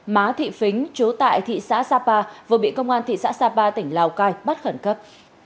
má thị phính trú tại thị xã sapa vừa bị công an thị xã sapa tỉnh lào cai bắt khẩn cấp